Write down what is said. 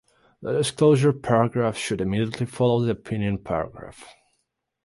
The disclosure paragraph should immediately follow the opinion paragraph.